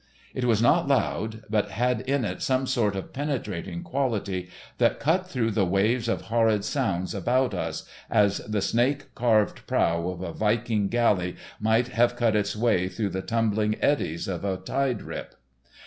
It was not loud, but had in it some sort of penetrating quality that cut through the waves of horrid sounds about us, as the snake carved prow of a Viking galley might have cut its way through the tumbling eddies of a tide rip.